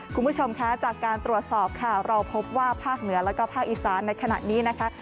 คุณผู้ชมคะจากการตรวจสอบค่ะเราพบว่าภาคเหนือแล้วก็ภาคอีสานในขณะนี้นะคะ